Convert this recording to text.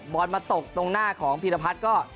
บอลมันมาตกตรงหน้าของพีรพัทรก็